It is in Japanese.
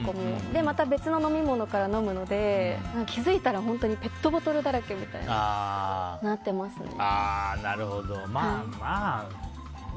また別の飲み物から飲むので気づいたらペットボトルだらけみたいになってますね。